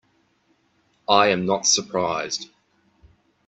I am not surprised.